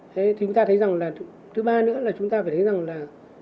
thế chúng ta thấy rằng là thứ ba nữa là chúng ta phải thấy rằng là